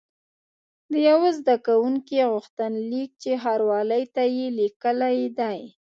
د یوه زده کوونکي غوښتنلیک چې ښاروالۍ ته یې لیکلی دی.